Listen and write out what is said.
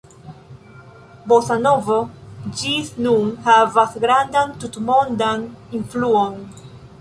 Bosanovo ĝis nun havas grandan tutmondan influon.